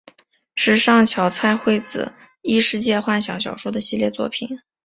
是上桥菜穗子异世界幻想小说的系列作品。